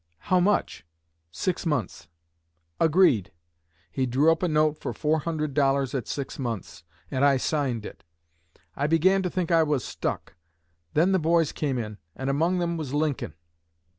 'How much?' 'Six months.' 'Agreed.' He drew up a note for four hundred dollars at six months, and I signed it. I began to think I was stuck. Then the boys came in, and among them was Lincoln.